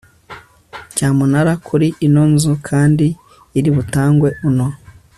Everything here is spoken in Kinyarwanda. cyamunara kuri ino nzu kandi ko iributangwe uno